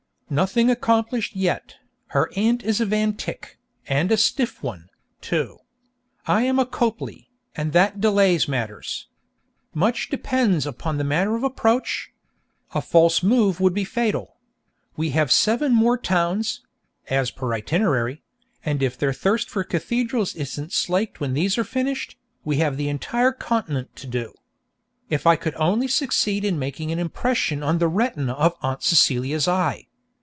Nothing accomplished yet. Her aunt is a Van Tyck, and a stiff one, too. I am a Copley, and that delays matters. Much depends upon the manner of approach. A false move would be fatal. We have seven more towns (as per itinerary), and if their thirst for cathedrals isn't slaked when these are finished, we have the entire Continent to do. If I could only succeed in making an impression on the retina of Aunt Celia's eye!